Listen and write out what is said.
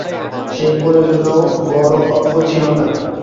সে প্রয়োজনও বড়ো অল্প ছিল না।